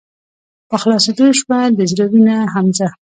په خلاصيدو شــوه د زړه وينه حمزه